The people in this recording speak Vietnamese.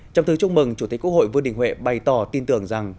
trong thư chúc mừng chủ tịch quốc hội vương đình huệ bày tỏ tin tưởng rằng